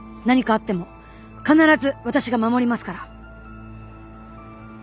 何かあっても必ず私が守りますから！